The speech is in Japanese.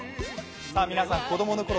皆さん、子供のころ